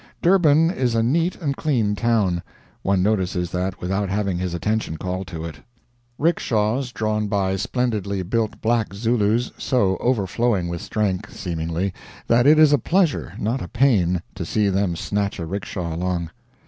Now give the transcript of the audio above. Durban is a neat and clean town. One notices that without having his attention called to it. Rickshaws drawn by splendidly built black Zulus, so overflowing with strength, seemingly, that it is a pleasure, not a pain, to see them snatch a rickshaw along.